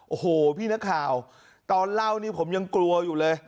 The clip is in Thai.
โอ้โหพี่นักข่าวตอนเล่านี่ผมยังกลัวอยู่เลย